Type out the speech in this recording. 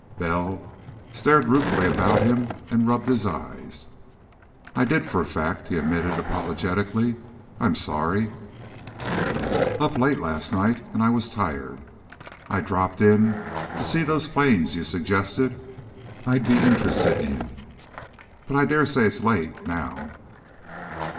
Bell stared ruefully about him and rubbed his eyes. "I did, for a fact," he admitted apologetically. "I'm sorry. Up late last night, and I was tired. I dropped in to see those planes you suggested I'd be interested in. But I daresay it's late, now."